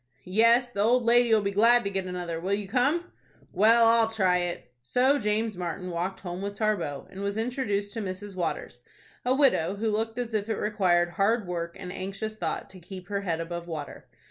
"Yes, the old lady'll be glad to get another. Will you come?" "Well, I'll try it." So James Martin walked home with Tarbox, and was introduced to Mrs. Waters,—a widow who looked as if it required hard work and anxious thought to keep her head above water.